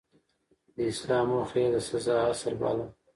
د اصلاح موخه يې د سزا اصل باله.